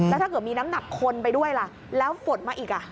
แล้วถ้าเกิดมีน้ำหนักคนไปด้วยล่ะแล้วฝนมาอีก